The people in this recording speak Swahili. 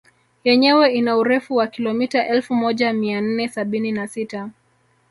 Yenyewe ina urefu wa kilomita elfu moja mia nne sabini na sita